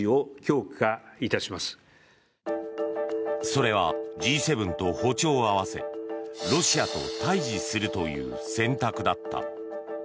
それは、Ｇ７と歩調を合わせロシアと対峙するという選択だった。